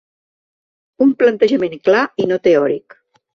Un plantejament clar i no teòric.